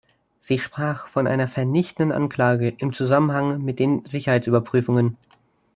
Sie sprach von einer vernichtenden Anklage im Zusammenhang mit den Sicherheitsüberprüfungen.